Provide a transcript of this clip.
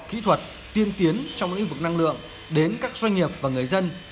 kỹ thuật tiên tiến trong lĩnh vực năng lượng đến các doanh nghiệp và người dân